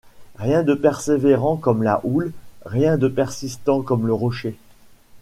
Rien de persévérant comme la houle, rien de persistant comme le rocher.